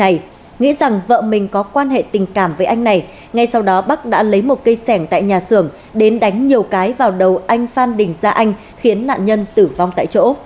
nghĩ rằng vợ mình có quan hệ tình cảm với anh này ngay sau đó bắc đã lấy một cây sẻng tại nhà xưởng đến đánh nhiều cái vào đầu anh phan đình gia anh khiến nạn nhân tử vong tại chỗ